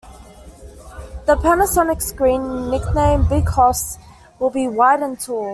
The Panasonic screen, nicknamed "Big Hoss", will be wide and tall.